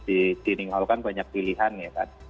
di teaming hall kan banyak pilihan ya kan